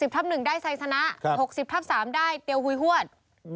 ๖๐ทับหนึ่งได้ไซสนะ๖๐ทับสามได้เตี๊ยวหู้ยหววด